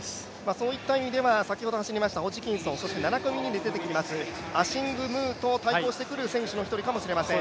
そういった意味では先ほど走りましたホジキンソン、７組目で走ってくるアシング・ムーと対抗してくる選手の一人かもしれません。